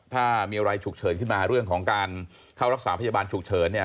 ถ้ามีอะไรฉุกเฉินขึ้นมาเรื่องของการเข้ารักษาพยาบาลฉุกเฉินเนี่ย